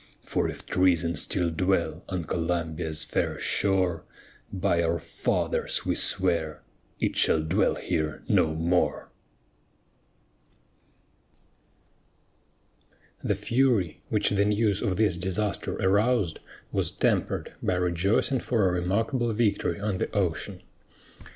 Chorus For if treason still dwell on Columbia's fair shore, By our fathers we swear it shall dwell here no more. The fury which the news of this disaster aroused was tempered by rejoicing for a remarkable victory on the ocean.